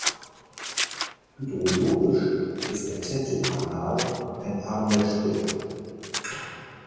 Hydrologisch ist der Teltowkanal ein Arm der Spree.